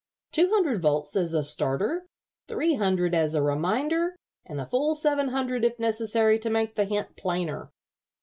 Two hundred volts as a starter, three hundred as a reminder, and the full seven hundred if necessary to make the hint plainer."